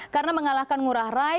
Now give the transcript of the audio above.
karena mengalahkan ngurah rai